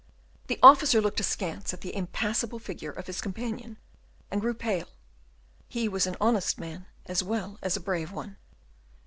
The officer looked askance at the impassible figure of his companion, and grew pale: he was an honest man as well as a brave one.